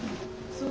そう？